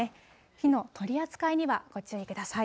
火の取り扱いにはご注意ください。